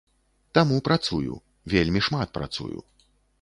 Таму працую, вельмі шмат працую.